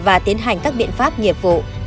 và tiến hành các biện pháp nghiệp vụ